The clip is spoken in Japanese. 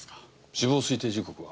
死亡推定時刻は？